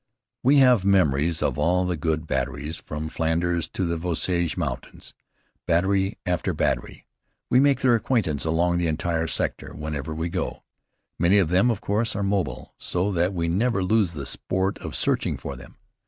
We have memories of all the good batteries from Flanders to the Vosges Mountains. Battery after battery, we make their acquaintance along the entire sector, wherever we go. Many of them, of course, are mobile, so that we never lose the sport of searching for them.